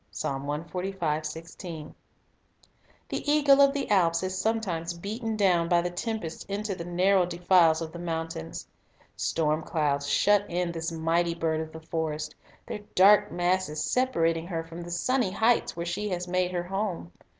1 The eagle of the Alps is sometimes beaten down by The Eagle _ tne tempest into the narrow denies of the mountains. Storm clouds shut in this mighty bird of the forest, their dark masses separating her from the sunny heights where she has made her home.